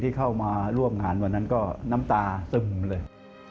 เข้ามาร่วมงานวันนั้นก็น้ำตาซึมเลย